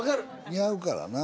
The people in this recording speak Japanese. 似合うからな。